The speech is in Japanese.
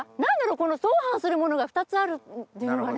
この相反するものが２つあるっていうのがね。